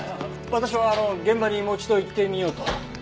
私はあの現場にもう一度行ってみようと。